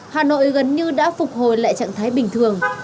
hà nội gần như đã phục hồi lại trạng thái bình thường